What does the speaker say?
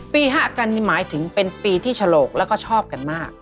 ปี๕กันนี่หมายถึงเป็นปีที่ฉลกแล้วก็ชอบกันมาก